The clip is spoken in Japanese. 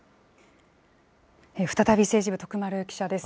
再び政治部、徳丸記者です。